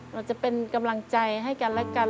เราจะเป็นกำลังใจให้กันและกัน